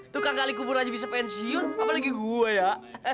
tukang gali kuburan bisa pensiun apalagi gue ya